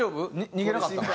逃げなかった？